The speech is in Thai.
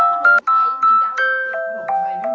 ขนมไทยได้ไหม